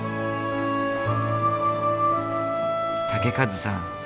豪和さん